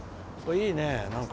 いいね。